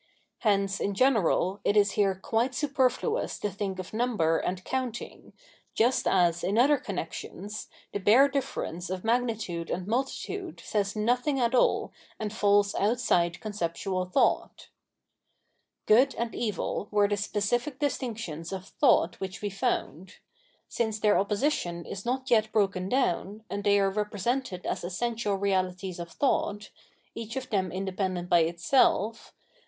Hence, in general, it is here quite superfluous to think of number and counting, just as, in other connexions, the bare difference of magnitude and multitude says nothing at all and falls outside conceptual thought. Good and Evil were the specific distinctions of thought which we found. Since their opposition is not yet broken down, and they are represented as essential realities of thought, each of them independent by itself, Tna.